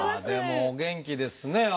でもお元気ですね。